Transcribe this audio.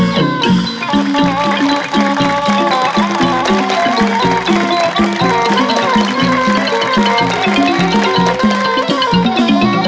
กลับมารับทราบ